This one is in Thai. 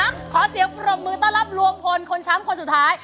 ขอเสียงปรบมือต้อนรับลุงพลคนช้ำคนสุดท้าย